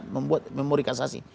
membuat memori kasasi